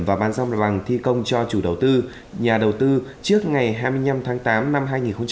và ban xong bằng thi công cho chủ đầu tư nhà đầu tư trước ngày hai mươi năm tháng tám năm hai nghìn một mươi năm